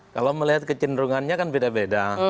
kalau melihat kecenderungannya kan beda beda